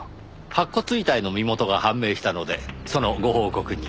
白骨遺体の身元が判明したのでそのご報告に。